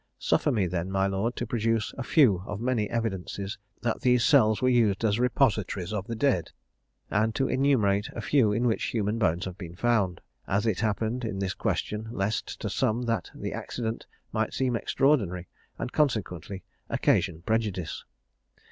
Suffer me then, my lord, to produce a few of many evidences that these cells were used as repositories of the dead, and to enumerate a few in which human bones have been found, as it happened in this question; lest, to some, that accident might seem extraordinary, and, consequently, occasion prejudice.